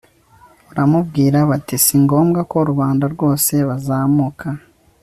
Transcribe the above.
baramubwira bati si ngombwa ko rubanda rwose bazamuka